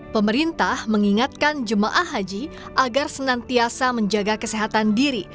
pemerintah mengingatkan jemaah haji agar senantiasa menjaga kesehatan diri